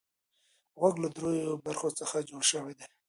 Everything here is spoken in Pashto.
غوږ له دریو برخو څخه جوړ شوی دی.